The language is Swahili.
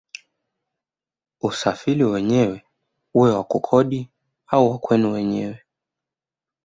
Usafiri wenyewe uwe wa kukodi au wa kwenu wenyewe